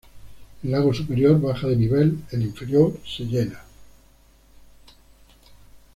El lago superior baja de nivel, el inferior se llena.